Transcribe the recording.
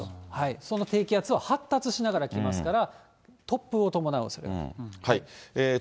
その低気圧は発達しながら来ますから、突風を伴います。